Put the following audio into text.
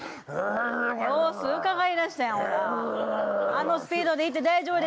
あのスピードでいって大丈夫ですか？